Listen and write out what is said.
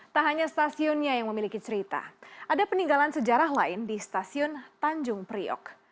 tak hanya stasiunnya yang memiliki cerita ada peninggalan sejarah lain di stasiun tanjung priok